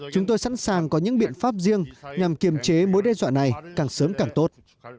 chúng tôi sẵn sàng có những biện pháp riêng nhằm kiềm chế mối đe dọa này càng sớm càng tốt